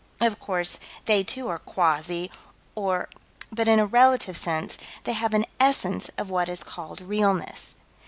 Of course, they too are quasi, or but in a relative sense they have an essence of what is called realness.